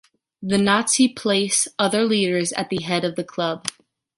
The Nazi place other leaders at the head of the club.